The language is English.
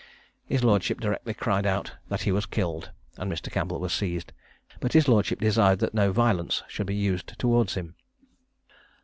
His lordship directly cried out that he was killed, and Mr. Campbell was seized; but his lordship desired that no violence should be used towards him.